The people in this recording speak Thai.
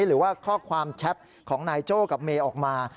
หรือว่าข้อความแชทของนายโจ้กับเมย์ออกมา